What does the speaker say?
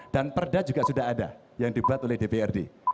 dan perda juga sudah ada yang dibuat oleh dprd